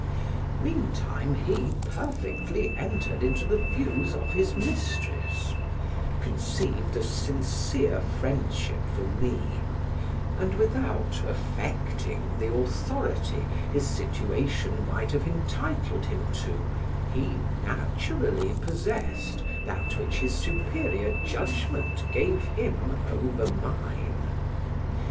Meantime he perfectly entered into the views of his mistress; conceived a sincere friendship for me, and without affecting the authority his situation might have entitled him to, he naturally possessed that which his superior judgment gave him over mine.